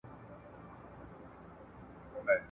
زه لیکل نه کوم؟